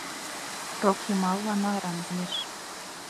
Рок йымалан арам лиеш.